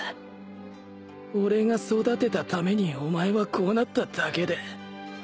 俺が育てたためにお前はこうなっただけで